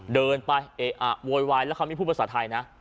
เดินไปเอะอะโวยวายแล้วเขาไม่พูดภาษาไทยนะ